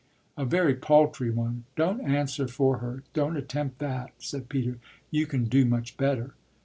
"A very paltry one. Don't answer for her, don't attempt that," said Peter. "You can do much better."